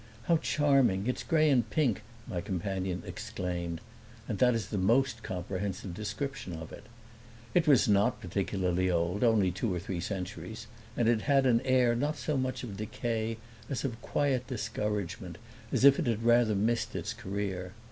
"How charming! It's gray and pink!" my companion exclaimed; and that is the most comprehensive description of it. It was not particularly old, only two or three centuries; and it had an air not so much of decay as of quiet discouragement, as if it had rather missed its career.